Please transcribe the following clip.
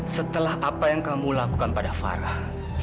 setelah apa yang kamu lakukan pada farah